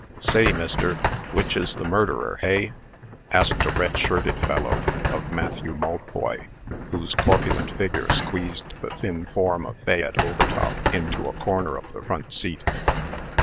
"Say, Mister, wich is the murderer, hey?" asked a red shirted fellow of Matthew Maltboy, whose corpulent figure squeezed the thin form of Fayette Overtop into a corner of the front seat.